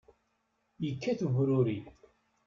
Yekkat ubruri.